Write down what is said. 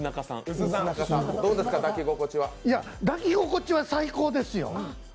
抱き心地は最高ですよ。